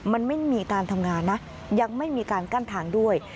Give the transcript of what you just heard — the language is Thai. มันไม่มีการทำงานนะยังไม่มีการกั้นทางด้วย